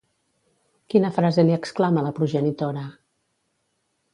Quina frase li exclama la progenitora?